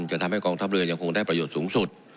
จนทำให้กองทัพเรือยังคงได้ประโยชน์สูงสุด